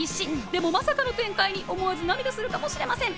でも、まさかの展開に思わず涙するかもしれません。